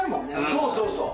そうそうそう。